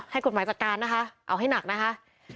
ให้กฎหมายจัดการนะคะเอาให้หนักนะคะ